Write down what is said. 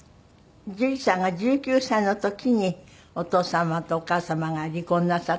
樹里さんが１９歳の時にお父様とお母様が離婚なさった。